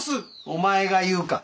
お前が言うか！？